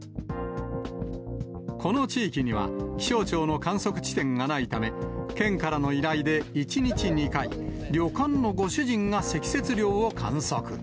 この地域には気象庁の観測地点がないため、県からの依頼で１日２回、旅館のご主人が積雪量を観測。